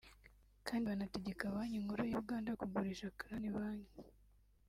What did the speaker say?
kandi banategeka Banki Nkuru ya Uganda ku gurisha Crane Bank